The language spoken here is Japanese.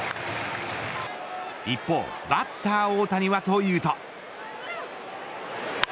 一方、バッター大谷はというと。